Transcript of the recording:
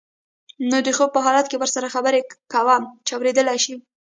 نو د خوب په حالت کې ورسره خبرې کوه چې اوریدلی شي.